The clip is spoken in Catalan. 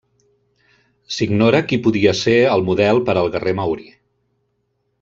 S'ignora qui podia ser el model per al guerrer maori.